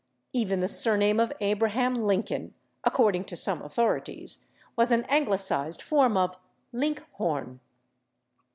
Even the surname of Abraham /Lincoln/, according to some authorities, was an anglicized form of /Linkhorn